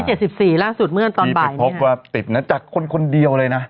ร้อยเจ็ดสิบสี่ล่ะสูตรเมื่อนตอนบ่ายนี้ฮะที่พบว่าติดน่ะจากคนคนเดียวเลยน่ะ